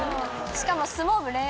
しかも。